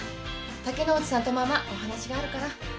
武内さんとママお話があるから。